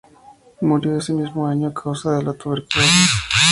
Murió ese mismo año a causa de la tuberculosis.